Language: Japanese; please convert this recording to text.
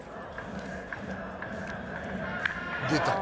出た！